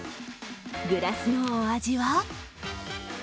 グラスのお味は？